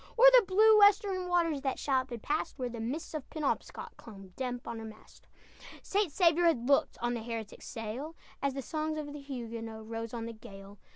O'er the blue western waters That shallop had passed, Where the mists of Penobscot Clung damp on her mast. St. Saviour had looked On the heretic sail, As the songs of the Huguenot Rose on the gale.